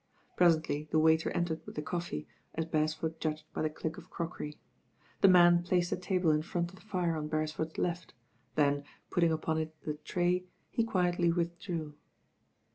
Presently the waiter entered with the coffee, as Beresford judged by the click of crockery. The man placed a table in front of the fire on Beres 8S .THE RAIN GIRL ford's left; then, putting upon it the tray, he quicdy withdrew.